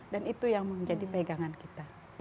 dan itu yang menjadi pegangan kita